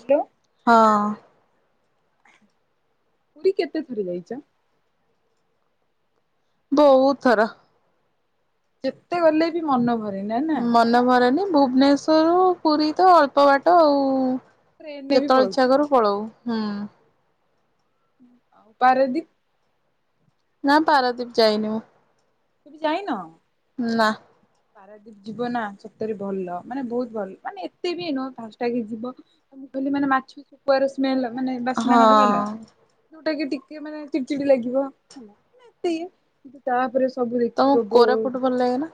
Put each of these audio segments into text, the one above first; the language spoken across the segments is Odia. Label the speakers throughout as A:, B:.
A: ହ୍ୟାଲୋ
B: ହଁ।
A: ପୁରି କେତେ ଥର ଯାଇଚ?
B: ବୋହୁତ ଥର।
A: ଯେତେ ଗଲେ ବି ମନ ଭରେନା ନାଁ।
B: ମନ ଭରେନି ଭୁବନେଶ୍ଵରରୁ ପୁରି ତ ଅଳ୍ପ ବାଟ ଆଉ।
A: ଟ୍ରେନରେ ବି
B: ଯେତେବେଳେ ଇଚ୍ଛା
A: ପଳଉଥିବ
B: କରୁ ପଳଉ ହୁଁ।
A: ଆଉ ପାରଦ୍ଵୀପ
B: ନାଁ ପାରାଦ୍ୱୀପ ଯାଇନି ମୁଁ।
A: [unintelligible] ଯାଇନ?
B: ନାଁ।
A: ପାରାଦ୍ଵୀପ ଯିବ ନା ସତରେ ଭଲ ମାନେ ବୋହୁତ ଭଲ ମାନେ ଏତେ ବି ନୁହ ଫାଷ୍ଟ ଟାଇମ୍ ଯିବ ମୁଁ କହିଲି ମାନେ ମାଛ, ଶୁଖୁଆ ସ୍ମଲ ମାନେ ବାସ୍ନା
B: ହଁ
A: ହବ ହେଲା। ଯୋଉଟା କି ଟିକେ ମାନେ ଚିଡ ଚିଡ ଲାଗିବ ହେଲା ମାନେ ଏତେ ଇଏ କିନ୍ତୁ ତାପରେ ସବୁ
B: ତମକୁ
A: ଦେଖିବ ବୋ
B: କୋରାପୁଟ ଭଲ ଲାଗେନା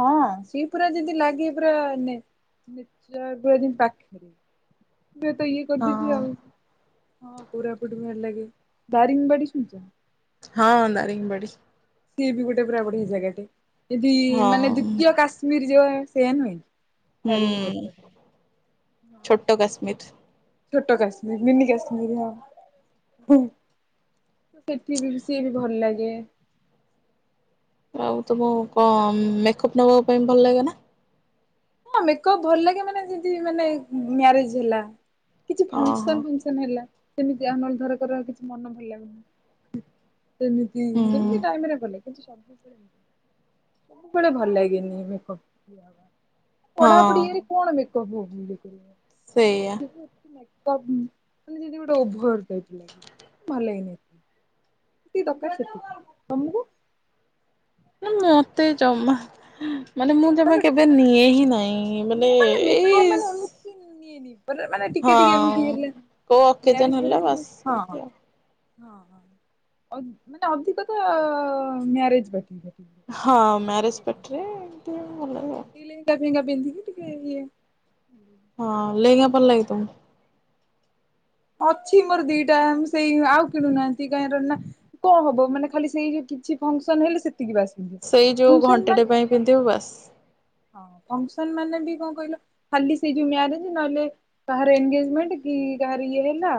A: ହଁ ସିଏ ପୁରା ଯେମିତି ଲାଗେ ପୁରା ନେ-ନେଚର ପୁରା ଯେମିତି ପାଖରେ। ଦେତ [unintelligible] ଇଏ କରିଦେବି
B: ହଁ
A: ଆଉ। ହଁ କୋରାପୁଟ ଭଲଲାଗେ ଦାରିଙ୍ଗ ବାଡି ଶୁଣିଚ?
B: ହଁ ଦାରିଙ୍ଗ ବାଡି ଶୁ
A: ସିଏ ବି ଗୋଟେ ପୁରା ବଢିଆ ଜାଗାଟେ ଯଦି
B: ହଁ
A: ମାନେ ଦ୍ଵିତୀୟ କା ଶ୍ମୀର ଯୋଉ ସେୟା ନୁହେଁ କି
B: ହୁଁ।
A: ଦାରିଙ୍ଗବାଡି ପାଖରେ।
B: ଛୋଟ କାଶ୍ମୀର।
A: ଛୋଟ କାଶ୍ମୀର ମିିନି କାଶ୍ମିର ହଁ [unintelligible] ସେଠି ବି ସିଏ ବି ଭଲ ଲାଗେ।
B: ଆଉ ତମକୁ କଣ ମେକଅପ୍ ନବା ପାଇଁ ଭଲ ଲାଗେ ନା?
A: ହଁ ମେକ‌ଅପ୍ ଭଲ ଲାଗେ ମାନେ ଯଦି ମାନେ ମାରେଜ୍ ହେଲା କିଛି
B: ଓହୋ
A: ଫଙ୍କସନ୍ ଫ ଙ୍କସନ୍ ହେଲା ସେମିତି ଆମର ଧର କର କିଛି ମନ ଭଲ ଲାଗୁନି। ସେମିତି
B: ହୁଁ
A: ସେମିତି ଟାଇମରେ କଲେ। [inaudible] ସବୁବେଳେ ଭଲ ଲାଗେନି ମେକ‌ଅପ୍ [inaudible] ପଢା ପଢି
B: ହଁ
A: ଇଏରେ କଣ ମେକଅପ୍ ହୋବୁ [unintelligible] କଲେଜ
B: ସେଇଆ।
A: ଜିବୁ [unintelligible] ଅପ୍ ଉଁ ମାନେ ଯଦି ଗୋଟେ ଓଭର ଟାଇପ୍ ଭଲ ହେଇନି। ଯେତିକି ଦରକାର ସେତିକି। ତମକୁ?
B: ନାଁ ମତେ ଜମାଃ ମାନେ ମୁଁ ଜମା କେବେ ନିଏ ହିଁ ନାଇ। ମାନେ ଏଇ
A: କି ନିଏନି। ମାନେ ମାନେ ଟିକେ
B: ହଁ
A: ଟିକେ ଏମତି ହେଲେ
B: କୋଉ ଅକେଜନ
A: ମ୍ୟାରେଜ
B: ହେଲା
A: ଫ୍ୟାରେଜ ହେଲେ
B: ବାସ୍
A: ହଁ ହଁ।
B: ସେମିତି ଆଉ।
A: ହଁ ହଁ ଅ ମାନେ ଅଧିକ ତ ମ୍ୟାରେଜ ପାର୍ଟିରେ।
B: ହଁ ମ୍ୟାରେଜ ପାର୍ଟିରେ ଟିକିଏ ଭଲ ଲାଗେ
A: ହଁ
B: ଆଉ।
A: କି ଲେହେଙ୍ଗା ଫେହେଙ୍ଗା ପିନ୍ଧିକି ଟିକିଏ ଇଏ
B: ହଁ ଲେହଙ୍ଗା ଭଲ ଲାଗେ ତମକୁ?
A: ଅଛି ମୋର ଦିଇଟା ସେଇ ଆଉ କିଣୁନାହାନ୍ତି କାହାର ନା କଣ ହବ ମାନେ ଖାଲି ସେଇ କିଛି ଫଙ୍କସନ୍ ହେଲେ ସେତିକି ବାସ୍। ପିନ୍ଧିବେ।
B: ସେଇ ଯୋଉ
A: ଫଙ୍କସନ
B: ଘଣ୍ଟାଟେ
A: ମାନେ
B: ପାଇଁ ପିନ୍ଧିବୁ ବାସ୍।
A: ହଁ ଫଙ୍କସନ ମାନେ ବି କଣ କହିଲ ଖାଲି ସେଇ ଯୋଉ ମାରେଜ ନହେଲେ କାହାର ଏଗେଜମେଣ୍ଟ କି କାହାର ଇଏ ହେଲା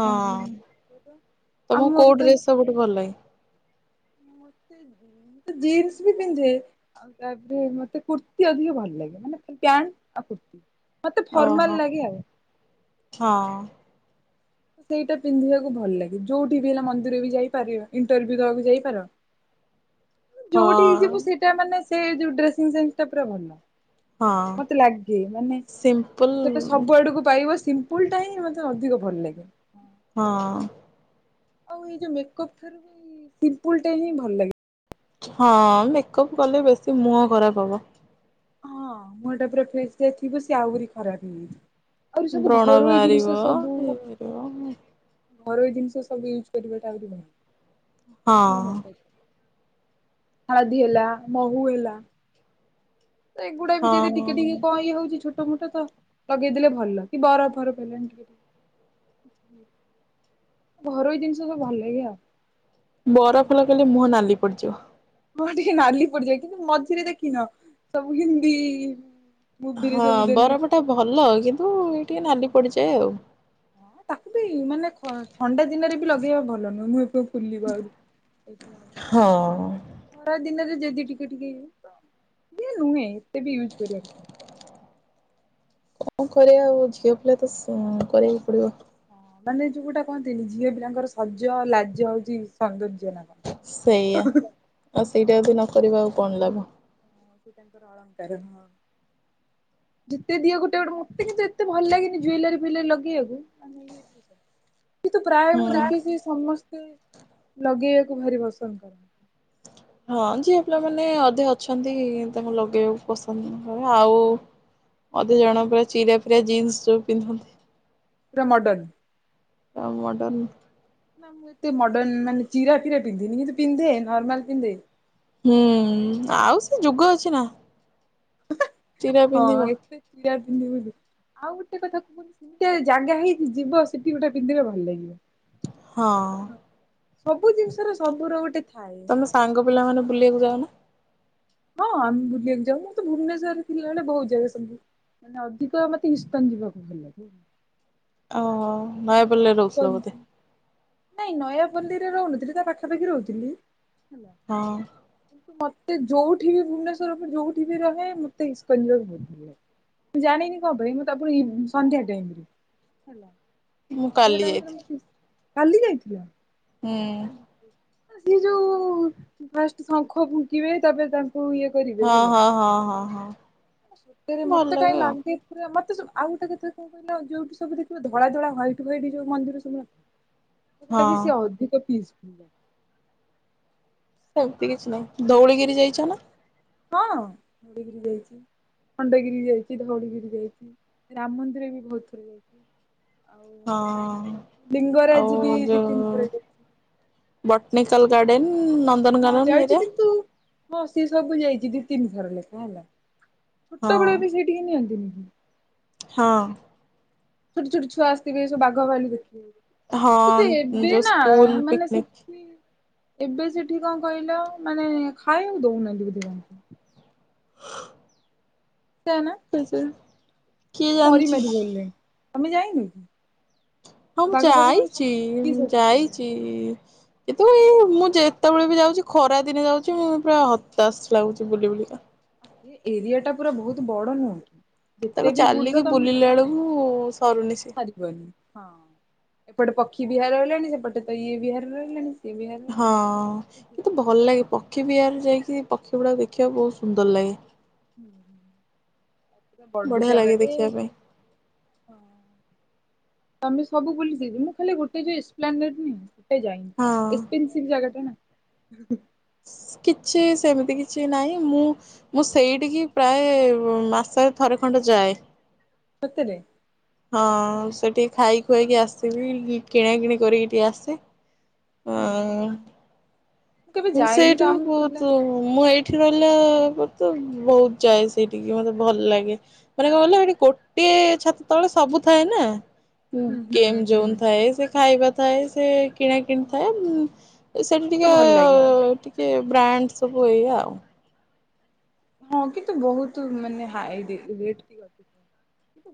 B: ହଁ
A: କଣ
B: ତମକୁ
A: ଆମର
B: କୋଉ
A: ତ
B: ଡ୍ରେସ୍ ସବୁଠୁ ଭଲ ଲାଗେ।
A: ମତେ ଜିନ୍ସ ବି ପିନ୍ଧେ। ଆଉ ତାପରେ ମତେ କୁର୍ତ୍ତୀ ଅଧିକ ଭଲ ଲାଗେ ମାନେ ପ୍ୟାଣ୍ଟ ଆଉ କୁର୍ତ୍ତୀ। ମତେ ଫର୍ମାଲ
B: ଓହୋ
A: ଲାଗେ ଆଉ ହଁ।
B: ହଁ
A: ସେଇଟା ପିନ୍ଧିବାକୁ ଭଲ ଲାଗେ ଯୋଉଠି ବି ହେଲା ମନ୍ଦିର ବି ଯାଇପାରିବ ଇଣ୍ଟରଭ୍ୟୁ ଦବାକୁ ଯାଇପାର।
B: [inaudible] ହଁ
A: ଯୋଉଠିକି ଯିବୁ ସେଇଟା ମାନେ ସେ ଯୋଉ ଡ୍ରେସିଂ ସେନ୍ସ ଟା ପୁର ଭଲ।
B: ହଁ
A: ମତେ ଲାଗେ ମାନେ
B: ସିମ୍ପଲ
A: ସେଟା ସବୁ ଆଡକୁ ପାଇବ ସି ସ୍କୁଲଟା ହିଁ ମୋତେ ଅଧିକ ଭଲ ଲାଗେ।
B: ହଁ।
A: ଆଉ ଏଇ ଯୋଉ ମେକଅପ୍ ଠାରୁ ବି ସିମ୍ପଲ ଟା ହିଁ ଭଲ ଲାଗେ।
B: ହଁ ମେକଅପ୍ କଲେ ବେଶୀ ମୁହଁ ଖରାପ ହବ।
A: ହଁ ମୁଁ ହଁଟା ପୁରା ଫ୍ରେସ ଥିବୁ ସେଏ ଆହୁରି ଖରାପ ହେ ଆହୁରି ସବୁ
B: ବ୍ରଣ
A: ଘରୋଇ
B: ବାହାରିବ
A: ଜିନିଷ ସବୁ
B: ଇଏ ବାହାରିବ
A: ଘୋରଇ ଜିନିଷ ସବୁ ୟୁଜ କରିବା ଟା ଆହୁରି ଭଲ
B: ହଁ
A: ମୋ ମତରେ। ହାଳଦି ହେଲା ମହୁ ହେଲା। ଏଗୁଡା ବି ଯଦି ଟିକେ ଟିକେ
B: ହଁ।
A: କ ଇଏ ହଉଛି ଛୋ ଛୋ ମୋଟ ମୋଟ ତ ଲଗେଇଦେଲେ ଭଲ କି ବରଫ ଫରଫ ରୁ ଟିକେ। ଘରୋଇ ଜିନିଷ ସବୁ ଭଲ ଲାଗେ ଆଉ।
B: ବରଫ ଲଗେଇଲେ ମୁହଁ ନାଲି ପଡିଯିବ।
A: ମର ଟିକେ ନାଲି ପଡିଯାଏ କିନ୍ତୁ ମଝିରେ ଦେଖିନ ସବୁ ହିନ୍ଦୀ ମୁଭିରେ
B: ହଁ
A: ସବୁ ଦେଲେ।
B: ବରଫ ଟା ଭଲ କିନ୍ତୁ ଏ ଟିକେ ନାଲି ପଡିଯାଏ ଆଉ।
A: ହଁ ତାକୁ ବି ମାନେ ଖ ଥଣ୍ଡା ଦିନରେ ବି ଲଗେଇବା ଭଲ ନୁହଁ ମୁଁ ଏବେ ଖୁଲିବ ଆଉରି।
B: ହଁ
A: ଖରା ଦିନରେ ଯଦି ଟିକେ ଟିକେଇ ସିଏ ନୁହେଁ ଏତେ ବି ୟୁଜ୍ କରୀବାର।
B: କଣ କରିବା ଆଉ ଝିଅ ପିଲା ତ କରିବାକୁ ପଡିବ।
A: ମାନେ ଯୋଉୋଟା କହନ୍ତିନି ଝିଅ ପିଲାଙ୍କର ସଜ ଲାଜ ହଉଛି ସୌନ୍ଦର୍ଯ୍ୟନା କଣ।
B: ସେଇଆ ଆଉ ସେଇଟା ବି ନ କରିବ ଆଉ କଣ ଲାଭ।
A: ଙ୍କର ର ଅଳକାର। ଯେତେ ଦିଅ ଗୋଟେ ଗୋଟେ ମତେ ଏତେ ଭଲ ଲାଗେନି ଜୁଲେରି ଫୋଲ ରି ଲଗେଇବାକୁ। ପିଏଫ ପଇସା। କିଏ ତ ପ୍ରାୟ ମୁଁ
B: ହୁଁ
A: ଦେଖିଛି ସମସ୍ତେ ଲଗେଇବାକୁ ଭାରି ପସନ୍ଦ କରନ୍ତି।
B: ହଁ ଝିଅ ପିଲାମାନେ ଅଧେ ଅଛନ୍ତି ତାଙ୍କୁ ଲଗେଇବାକୁ ପସନ୍ଦ କରେ ଆଉ ମଧେ ଜଣ ପୁରା ଚିରା ଫିରା ଜିନ୍ସ ଯୋଉ ପିନ୍ଧନ୍ତି।
A: ପୁରା ମଡ଼ନ।
B: ଆଉ ମଡ଼ନ।
A: ନା ମୁଁ ଏତେ ମଡର୍ଣ ମାନେ ଚିରା ଫିରା ପିନ୍ଧିନି କିନ୍ତୁ ପିଧେ ନର୍ମାଲ ପିନ୍ଧେ।
B: ହୁଁ ଆଉ ସେ ଯୁଗ ଅଛି ନା। ଚିରା
A: ହଁ
B: ପିନ୍ଧିବ
A: ଏତେ ଚିଆ ପିନ୍ଧିକି ବୁଲିବୁ ଆଉ ଗୋଟେ କଥା କୁ ସେଟା ଜାଗା ହେଇକି ଯିବ ସେଠି ଗୋଟେ ପିନ୍ଧିବା ଭଲ ଲାଗିବ।
B: ହଁ।
A: ସବୁ ଜିନିଷର ସବୁର ଗୋଟେ ଥାଏ
B: ତମେ
A: ହେଲା
B: ସାଙ୍ଗ ପିଲା ମାନେ ବୁଲିବାକୁ ଯାଉ ନା।
A: ହଁ ଆମ ବୁଲିବାକୁ ଯାଉ, ମୁଁ ତ ଭୁବନେଶ୍ୱରରେ ଥିଲା ବେଳେ ବହୁତ ଜାଗା ସବୁ। ମାନେ ଅଧିକ ମୋତେ ଇସ୍କନ ଯିବାକୁ ଭଲ ଲାଗେ।
B: ଓହୋ, ନୟାପଲ୍ଲୀ ରେ
A: ଇସ୍କନ
B: ରହୁଥିଲ ବୋଧେ?
A: ନାଇଁ ନୟାପଲ୍ଲୀରେ ରହୁନଥିଲି, ତା ପାଖାପାଖି ରହୁଥିଲି।
B: ହଁ।
A: ମୋତେ ଯୋଉଠି ବି ଭୁବନେଶ୍ବର ରେ ଯୋଉଠି ବି ରହେ ମୋତେ ଇସ୍କନ ଯିବାକୁ ବହୁତ ଭଲ [inaudible] ମୁଁ ଜାଣିନି କଣ ପାଇଁ? ମୁଁ ତା ପୁଣି ଇ- ସନ୍ଧ୍ୟା ଟାଇମ୍ ରେ।
B: ମୁଁ
A: ସନ୍ଧ୍ୟା
B: କାଲି
A: ଟାଇମ୍ ରେ ମୁଁ
B: ଯାଇଥିଲି
A: ଇସ୍, କାଲି ଯାଇଥିଲି ମୁଁ।
B: ହୁଁ
A: ସିଏ ଯୋଉ ଫାଷ୍ଟ ଶଙ୍ଖ ଫୁଙ୍କିବେ ତାପରେ ତାଙ୍କୁ ଇଏ କରିବେ
B: ହଁ
A: ହେଲା,
B: ହଁ ହଁ ହଁ ହଁ
A: ସତରେ
B: ଭଲ
A: ମୋତେ କାଇଁ
B: ଆଉ
A: ଲାଗେ ର-ମୋତେ ସବୁ ଆଉ ଗୋଟେ କଥା କଣ କହିଲ ଯୋଉଠି ସବୁ ଦେଖିବ ଧଳା ଧଳା ହ୍ୱାଇଟ୍ ହ୍ୱାଇଟ୍ ଯୋଉ ମନ୍ଦିର ସବୁ ନ [inaudible] ମୋତେ ଲାଗେ
B: ହଁ
A: ସିଏ ଅଧିକ ପିସ୍ ଫୁଲ୍।
B: ସେମିତି କିଛି ନାହିଁ, ଧଉଳିଗିରି ଯାଇଛ ନା?
A: ହଁ ଧଉଳଗିରି ଯାଇଛି। ଖଣ୍ଡଗିରି ଯାଇଚି, ଧଉଡଳିଗିରି ଯାଇଛି, ରାମ ମନ୍ଦିର ବି ବହୁତ ଥର ଯାଇଛି। ଆଉ
B: ହଁ ଆଉ
A: ଲିଙ୍ଗରାଜ ବି ଦି ତିନି ଯାଇ
B: ବୋଟ୍ନିକାଲ ଗାର୍ଡେନ୍ ନନ୍
A: ହଁ ଯାଇଚି କିନ୍ତୁ ହଁ ସିଏ ସବୁ ଯାଇଚି ଦି ତିନିଥର ଲେଖା ହେଲା।
B: ହଁ
A: ଛୁଟବେଳେ ବି ସେଇଟିିକି ନିଅନ୍ତିନି କି?
B: ହଁ।
A: ଛୋଟ ଛୋଟ ଛୁଆ ଆସଥିବେ ସବୁ ବାଘ ଭାଲୁ ଦେଖିବେ ବୋଲି।
B: ହଁ
A: କିନ୍ତୁ ଏବେ
B: ଯୋଉ
A: ନା
B: ସ୍କୁଲ
A: ମାନେ
B: ପିକନିକ
A: ସେଠି ଏବେ ସେଠି କଣ କହିଲ ମାନେ ଖାଇବାକୁ ଦଉନାହାନ୍ତି ବୋଧେ ତାଙ୍କୁ। ସେୟା ନା?
B: ଆଚ୍ଛା।
A: ମରି ମାରି ଗଲେ, ତୋମେ ଯାଇନ କି?
B: ହଁ, ମୁଁ
A: ବାଘ ଫାଗ ସବୁ
B: ଯାଇଚି,
A: ଶୁଖି
B: ମୁଁ
A: ଶାଖି ଗଲେଣି।
B: ଯାଇଚି। କିନ୍ତୁ ଏଇ ମୁଁ ଯେତେବେଳେ ବି ଯାଉଚି ଖରା ଦିନେ ଯାଉଚି, ମୁଁ ପୁରା ହତାଶ୍ ଲାଗୁଚି ବୁଲି ବୁଲିକା।
A: ଏ ଏରିଆ ଟା ପୁରା ବହୁତ ବଡ ନୁହଁକି?
B: ତାକୁ
A: ଯେତେ ବି ବୁଲ
B: ଚାଲିକି
A: ତୋମେ ବି
B: ବୁଲିଲା ବେଳକୁ ସରୁନି ସେ
A: ସାରିପାରିବନି, ସାରି ହଁ ଏପଟେ ପକ୍ଷୀ ବିହାର ରହିଲାଣି, ସେପଟେ ତ ଇଏ ବିହାର ରହିଲାଣି। ସିଏ ବିହାର ରହିଲାଣି।
B: ହଁ କିନ୍ତୁ
A: ଯେତେ
B: ଭଲ
A: ବୁଲ
B: ଲାଗେ ପକ୍ଷୀ ବିହାର ଯାଇକି ପକ୍ଷୀ ଗୁଡ଼ାକ ଦେଖିବାକୁ ବହୁତ ସୁନ୍ଦର ଲାଗେ।
A: ହୁଁ, ହଁ।
B: ବଢିଆ ଲାଗେ ଦେଖିବା ପାଇଁ।
A: ତୋମେ ସବୁ ବୁଲି ଦେଇଚ, ମୁଁ ଖାଲି ଗୁଟେ ଯେ ଇସପ୍ଲାନେଟ୍ ନୁହଁ ସେ ଯାଇନି,
B: ହଁ
A: ଏସପେନ୍ସିଭ୍ ଜାଗା ଟା ନା।
B: କିଛି ସେମିତି କିଛି ନାହିଁ ମୁଁ ମୁଁ ସେଇଠିକି ପ୍ରାୟ ଉ, ମାସରେ ଥରେ ଖଣ୍ଡେ ଯାଏ।
A: ସତରେ?
B: ହଁ ସେଠି ଖାଇ ଖୁଆଇକି ଆସିବି, କିଣା କିିଣି କରିକି ଟିକେ ଆସେ।
A: ହୁଁ
B: ହଁ
A: ମୁଁ କେବେ
B: ମୁଁ
A: ଯାଇନି ତ
B: ସେଇଠୁ
A: ଆମ ପିଲା
B: କହୁତୁ ମୁଁ ଏଇଠି ରହିଲା ପରେ ତ ବହୁତ ଯାଏ ସେଇଠିକି ମୋତେ ଭଲ ଲାଗେ। ମାନେ କଣ କହିଲ ହେଠି ଗୋଟେ ଛାତ ତଳେ ସବୁ ଥାଏ ନା।
A: ହୁଁ ହୁଁ
B: ଗେମ୍
A: ହୁଁ।
B: ଜୋନ୍ ଥାଏ, ସେ ଖାଇବା ଥାଏ, ସେ କିଣା
A: ହଁ
B: କିିଣିଥାଏ।
A: ହଁ।
B: ଉଁ ସେଇଠି
A: ତ ଭଲ ଲାଗେ
B: ଟିକିେ ଟିକେ ବ୍ରାଣ୍ଡ ସବୁ ଏଇଆ ଆଉ।
A: ହଁ କିନ୍ତୁ ବହୁତ ମାନେ ହାଇ ରେ ରେଟ ଟିକେ ଅଧିକ।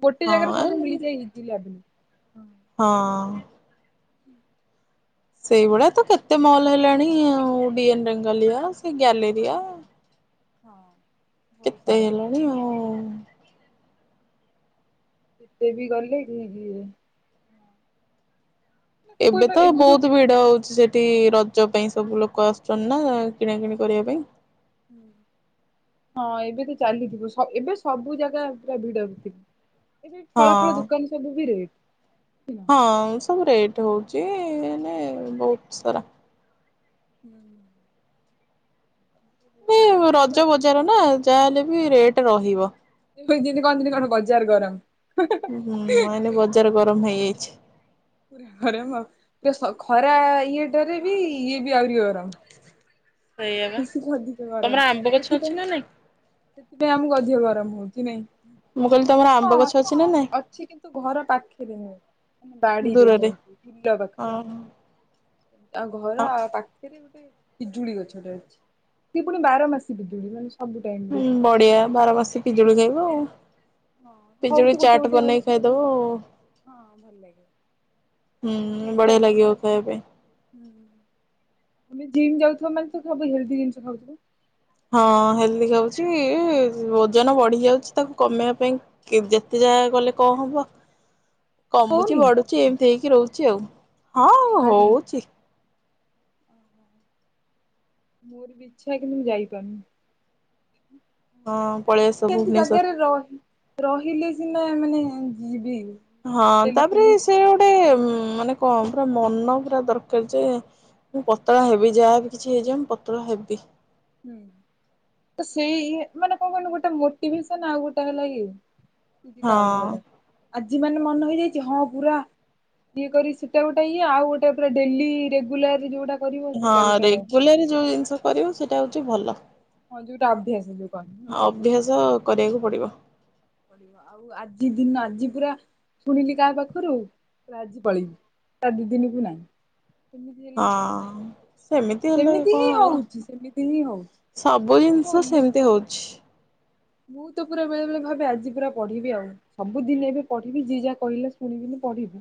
A: ଗୋଟେ ଜାଗାରେ
B: ହଁ
A: ସବୁ ମିଳିଯାଏ ଇଜିଲି ଆଭେଲେବଲ୍।
B: ହଁ। ସେଇଭଳିଆ ତ କେତେ ମଅଲ ହେଲାଣି ଆଉ। ଡି ଏନ୍ ରେଙ୍ଗାଲିଆସ୍। ସେ
A: ହଁ
B: ଗ୍ୟାଲେରିଆ
A: ହଁ। ହଁ ବହୁତ
B: କେତେ
A: ସାରା
B: ହେଲାଣି ଆଉ।
A: ଏତେ ବି ଗଲେ କି କି ଏ
B: ଏବେ
A: କଣ କହିଲ
B: ତ
A: ଯୋଉ
B: ବହୁତ ଭିଡ ହଉଚି ସେଠି ରଜ ପାଇଁ ସବୁ ଲୋକ ଆସୁଚନ୍ତି ନା। କିଣାକିଣି କରିବା ପାଇଁ।
A: ହୁଁ। ହଁ ଏବେ ତ ଚାଲିଯିବୁ ସ ଏବେ ସବୁ ଜାଗା ପୁରା ଭିଡ ଭି ଥିବ। ଏବେ ଫଳ ଫଳ
B: ହଁ
A: ଦୋକାନ ସବୁ ବି ରେଟ ହେଲା।
B: ହଁ ସବୁ ରେଟ୍ ହଉଚି ଏନେ ବହୁତ ସାରା।
A: ହୁଁ।
B: ଏବେ
A: ଆଚ୍ଛା
B: ରଜ ବଜାର ନା ଯାହାହେଲେ ବି ରେଟ ରହିବ।
A: ଦିନି କହନ୍ତିନି କଣ ବଜାର ଗରମ। ପୁରା
B: ହୁଁ ହୁଁ ଏଇନା ବଜାର ଗରମ ହେଇଯାଇଚି।
A: ପୁରା ଗରମ ଆଉ। ସ ଖରା ଇଏଟାରେ ବି ଇଏ ବି ଆହୁରି ଗରମ।
B: ସେଇଆ ବା
A: ବେଶି ଠୁ ଅଧିକ
B: ତମର
A: ଗରମ
B: ଆମ୍ବ ଗଛ ଅଛି
A: ସେଥିପାଇଁ
B: ନା ନାଇଁ?
A: ସେଥିପାଇଁ ଆମକୁ ଅଧିକ ଗରମ ହଉଚି ନାଇଁ।
B: ମୁଁ କହିଲି ତମର ଆମ
A: ହଁ ଅଛି। ଅଛି କିନ୍ତୁ ଘର ପାଖରେ ନୁହେଁ ମାନେ ବାଡିରେ ଯାଇକି ବିଲ ପାଖରେ।
B: ଅ ହଁ।
A: ଆଉ ଘର ପାଖରେ ଗୋଟେ ପିଜୁଳି ଗଛଟେ ଅଛି। ସେିଏ ପୁଣି ବାର ମାସୀ ପିଜୁଡି ମାନେ ସବୁ ଟାଇମ ରେ।
B: ବଢିଆ ବାରମାସ ପିଜୁଳି ଖାଇବ ଆଉ। ପିଜୁଳି
A: ହଉଛି ଗୋଟେ
B: ଚାଟ୍
A: ଗୋଟେ
B: ବନେଇକି
A: ହଉଛି।
B: ଖାଇଦବ।
A: ହଁ ଭଲ ଲାଗେ
B: ହୁଁ ବଢିଆ ଲାଗିବ ଖାଇବା ପାଇଁ।
A: ହୁଁ ତମେ ଜିମ୍ ଯାଉଥିବ ମାନେ ତ ସବୁ ହେଲଦି ଜିନିଷ ଖାଉଥିବ।
B: ହଁ ହେଲ୍ଦି ଖାଉଚି। ଓଜନ ବଢି ଯାଉଚି ତାକୁ କମେଇବା ପାଇଁ କି ଯେତେ ଯାହା କଲେ କଣ ହବ? କମୁଚି
A: ହଉନି
B: ବଢୁଚି ଏମିତି ହେଇକି ରହୁଚି ଆଉ। ହଁ
A: ମାଲି
B: ହଉଛି
A: ଓ ହୋ। ମୋର ବି ଇଚ୍ଛା କିନ୍ତୁ ମୁ
B: ହଁ ପଳେଇ
A: ଯାଇପାରୁନି।
B: ଆସ
A: ସେମତି
B: ଭୁବନେଶ୍ଵର
A: ଜାଗାରେ ରହି ରହିଲେ ସିନା ମାନେ ଯିବି।
B: ହଁ
A: ହଷ୍ଟେଲରେ
B: ତାପରେ
A: ଥିଲି
B: ସେ ଗୋଟେ ମାନେ କଣ ପୁରା ମନ ପୁରା ଦରକାର ଯେ ମୁଁ ପତଳା ହେବି। ଯାହାବି କିଛି ହେଇଯାଉ ମୁ ପତଳା ହେବି।
A: ହୁଁ। ତ ସେଇ ମାନେ କଣ କହିଲ ଗୋଟେ ମୋଟିଭେସନ ଆଉ ଗୋଟେ ହେଲା କି ଦି ଟା ଅଲଗା
B: ହଁ
A: ଟା। ଆଜି ମାନେ ମନେ ହେଇଯାଇଚି ହଁ ପୁରା ଇଏ କରି ସେଟା ଗୋଟେ ଇଏ। ଆଉ ଗୋଟେ ପୁରା ଡେଲି ରେଗୁଲାର ଯୋଉଗୁଡା
B: ହଁ ରେଗୁଲାରରେ ଯୋଉ ଜିନିଷ କରିବ ସେଇଟା ହଉଚି ଭଲ।
A: ହଁ ଯଉଟା ଅଭ୍ୟାସ ଯୋଉ। କହନ୍ତି
B: ଅଭ୍ୟାସ କରିବାକୁ ପଡିବ।
A: ପଳିବ ଆଉ ଆଜି ଦିନ ଆଜି ପୁରା ଶୁଣିଲି କାହା ପାଖରୁ ପୁରା ଆଜି ପଳେଇବି। ତା ଦିଦିନୀକୁ ନାଇଁ।
B: ହଁ। ସେମିତି ହେଲେ କଣ
A: ହିଁ
B: ହବ
A: ହଉଛି ସେମିତି ହିଁ ହଉଛି
B: ସବୁ
A: ସେମିତି
B: ଜିନିଷ
A: ହଉନି ଦେଖ
B: ସେମିତି ହଉଚି।
A: ମୁଁ ତ ପୁରା ବେଳେବେଳେ ଭାବେ ଆଜି ପୁରା ପଢିବି ଆଉ। ସବୁଦିନ ଏବେ ପଢିବି ଯିଏ ଯାହା କହିଲେ ଶୁଣିବିନି ପଢିବି,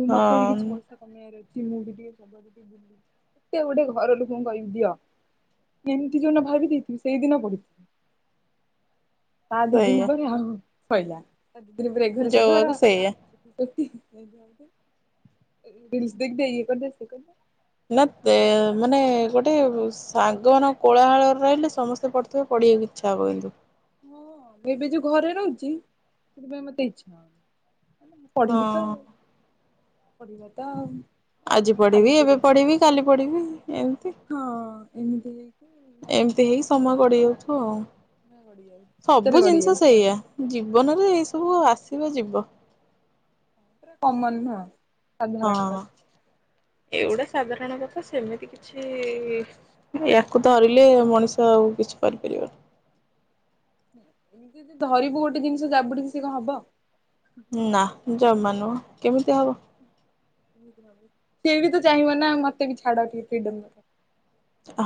A: ମୁଁ ମତେ ବି
B: ହଁ
A: କିଛି ପଇସା କମେଇ ଆର ଅଛି, ମୁଁ ବି ଟିକେ ସବୁଆଡେ ବୁଲିବି, କେତେ ଗୋଟେ ଘର ଲୋକଙ୍କୁ କହିବି ଦିଅ। ଏମିତି ଜଉନ ଭାବି ଦେଇଥିବି ସେଇଦିନ ପଢି ତା ଦି ଦିନ
B: ସେଇଆ
A: ପରେ ଆଉ ଶଇଲା ତା ଦି ଦିନ ପରେ ଏ ଘରେ ସେ ଘର।
B: ଯୋଉଆକୁ ସେଇଆ
A: [unintelligible] ରିଲସ ଦେଖିଦେ ଇଏ କରଦେ, ସିଏ କରଦେ।
B: ନା ମାନେ ଗୋଟେ ସାଙ୍ଗ ମାନଙ୍କ କୋଳାହଳରେ ରହିଲେ ସମସ୍ତେ ପ ଥିବେ, ପଢିବାକୁ ଇଛା ହବ ଏମତି।
A: ହଁ ଏବେ ଯୋଉ ଘରେ ରହୁଛି ସେଥିପାଇଁ ମତେ ଇଚ୍ଛା ହ ପଢିବି ତ
B: ହଁ
A: ଆଉ, ପଢିବା ତ ଆଉ।
B: ଆଜି ପଢିବି ଏବେ ପଢିବି କାଲି ପଢିବି ଏମିତି,
A: ହଁ ଏମିତି ହେଇକି
B: ଏ ଏତେ ହେଇକି ସମୟ ଗଡ଼ି ଯାଉଥିବ ଆଉ
A: ଗଡି ଯାଉଛି ସତରେ
B: ସବୁ
A: ଗଡି
B: ଜିନିଷ
A: ଯାଉଛି
B: ସେୟା। ଜୀବନରେ ଏଇ ସବୁ ଆସିବ ଯିବ।
A: ପୁରା କମନ୍ ନୁହ।
B: ହଁ, ଏଗୁଡା ସାଧାରଣ କଥା ସେମିତି କି କିଛି ୟାକୁ ଧରିଲେ ମଣିଷ ଆଉ କିଛି କରିପାରିବନି।
A: ଏମିତି ଯଦି ଧରିବୁ ଗୋଟେ ଜିନିଷ ଯାବୁଡିକି ସେ କଁ ହବ।
B: ନା, ଜମା ନୁହଁ, କେମିତି ହବ?
A: ସିଏ ବି ତ ଚାହିଁବ ନା ମତେ ବି ଛାଡ ଟିକେ ଫ୍ରିଡମ୍ [unintelligible]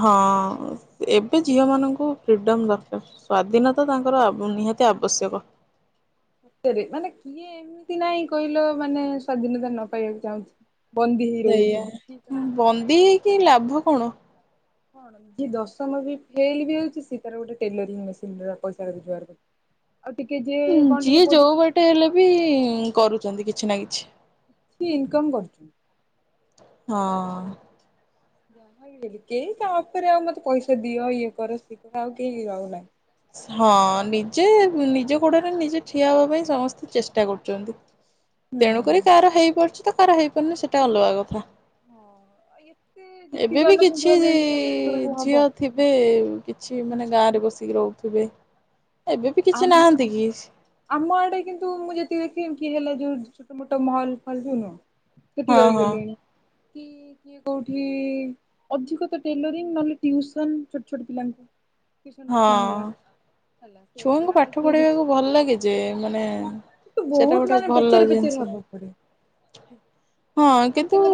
B: ହଁ, ଏବେ ଝିଅ ମାନଙ୍କୁ ଫ୍ରିଡମ ଦରକାର। ସ୍ଵାଧୀନତା ତାଙ୍କର ଆ ନିହାତି ଆବଶ୍ୟକ।
A: ଟେରେ ମାନେ କିଏ ଏମିତି ନାଇଁ କହିଲ ମାନେ ସ୍ଵାଧୀନତା ନ ପାଇବାକୁ ଚାହୁଁଚି।
B: ସେଇଆ ବନ୍ଦୀ ହେଇକି ଲାଭ କଣ?
A: ଯିଏ ଦଶମ ବି ଫେଲ୍ ବି ହଉଛି, ସେ ତାର ଗୋଟେ ଟେଲରିଂ ମେସିନ୍ ରେ ପଇସା ରୋଜଗାର କରୁଚି।
B: [inaudible]
A: ଆଉ ଟିକେ ଯିଏ
B: ଯିଏ ଯୋଉ
A: ପଢିଛି
B: ବାଟେ ହେଲେ ବି କରୁଚନ୍ତି, କିଛି ନା କିଛି।
A: କି ଇନ୍ କମ୍ କରୁଚୁ। ହଁ।
B: [unintelligible]
A: ଆଜିକାଲି କେହି କାହା ଉପରେ ଆଉ ମତେ ପଇସା ଦିଅ ଇଏ କର ସିଏ କର ଆଉ କେହି ରହୁନାଇଁ।
B: ହଁ ନିଜେ ନିଜ ଗୋଡରେ ନିଜେ ଠିଆ ହବା ପାଇଁ ସମସ୍ତେ ଚେଷ୍ଟା କରୁଚନ୍ତି। ତେଣୁ କରି
A: ହୁଁ।
B: କାହାର ହେଇପାରୁଚି ତ କାହାର ହେଇପାରୁନି ସେଟା ଅଲଗା କଥା।
A: ହଁ ଏତେ
B: [unintelligible]
A: ଯେତିକି
B: ଏବେ ବି
A: ଜନସଂଖ୍ୟା
B: କିଛି
A: ହେଲେଣି ସମସ୍ତଙ୍କର କୋଉ ହବ।
B: ଝିଅ ଥିବେ କିଛି ମାନେ ଗାଁରେ ବସିକି ରହୁ ଥିବେ, ଏବେ ବି କିଛି
A: ଆମ
B: ନାହାନ୍ତି କି?
A: ଆମ ଆଡେ କିନ୍ତୁ ମୁଁ ଯେତିକି ଦେଖି କି ହେଲା ଯୋଉ ଛୋଟ ମୋଟ ମହଲ ଫଲ୍ ଯୋଉନୁହ। ସେଠି
B: ହଁ
A: ରହି
B: ହଁ
A: ଗଲେଣି କି, କିଏ କୋଉଠି ଅଧିକ ତ ଟେଲରିଙ୍ଗ୍ ନହେଲେ ଟିଉସନ୍ ଛୋଟ ଛୋଟ ପିଲାଙ୍କୁ। ଟିଉସନ୍ ଫିଉସନ୍
B: ହଁ।
A: ହେଲା। ସେଇଆ
B: ଛୁଆଙ୍କୁ
A: କଲା ଆଉ
B: ପାଠ
A: କିଏ କିଛି
B: ପଢେଇବାକୁ ଭଲ ଲାଗେ ଯେ, ମାନେ
A: କିନ୍ତୁ
B: ସେଟା
A: ବହୁତ
B: ଗୋଟେ
A: ମାନେ
B: ଭଲ
A: ପେଚେରେ ପେଚେରେ
B: ଜିନିଷ,
A: ହବାକୁ ପଡିବ
B: ହଁ
A: ମତେ
B: କିନ୍ତୁ
A: ମାନେ